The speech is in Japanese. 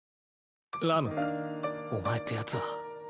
ラムお前ってやつは。